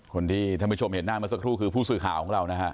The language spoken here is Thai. ท่านผู้ชมเห็นหน้าเมื่อสักครู่คือผู้สื่อข่าวของเรานะฮะ